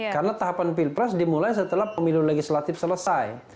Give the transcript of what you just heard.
karena tahapan pilpres dimulai setelah pemilu legislatif selesai